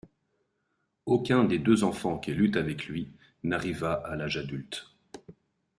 Aucun des deux enfants qu'elle eut avec lui n'arriva à l'âge adulte.